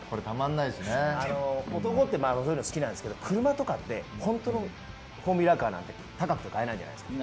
男ってそういうの好きなんですけど車とかって本当のフォーミュラカーなんて高くて買えないじゃないですか。